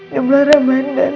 ngeblah rabah dan